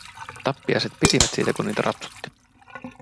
Tappiaiset pitivät siitä, kun niitä rapsutti.